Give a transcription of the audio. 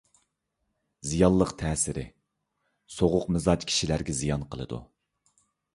زىيانلىق تەسىرى: سوغۇق مىزاج كىشىلەرگە زىيان قىلىدۇ.